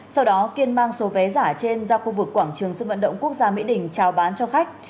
sau đó kiên mang số vé giả trên ra khu vực quảng trường sân vận động quốc gia mỹ đình trao bán cho khách